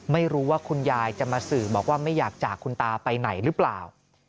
ไม่รู้ว่าคุณยายจะมาสื่อบอกว่าไม่อยากจากคุณตาไปไหนหรือเปล่า